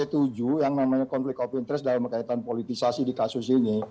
saya setuju yang namanya konflik of interest dalam kaitan politisasi di kasus ini